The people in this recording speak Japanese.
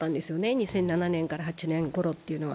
２００７年から８年ごろというのは。